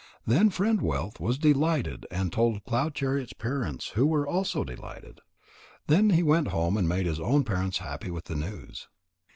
Then Friend wealth was delighted and told Cloud chariot's parents who were also delighted. Then he went home and made his own parents happy with the news.